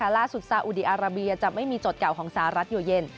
ซาอุดีอาราเบียจะไม่มีจดเก่าของสหรัฐอยู่เย็น